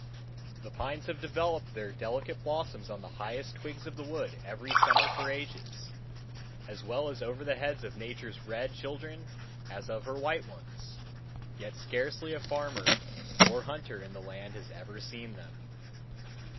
The pines have developed their delicate blossoms on the highest twigs of the wood every summer for ages, as well over the heads of Nature's red children as of her white ones; yet scarcely a farmer or hunter in the land has ever seen them.